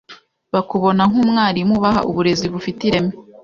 bakubona nk’umwarimu ubaha uburezi bufite ireme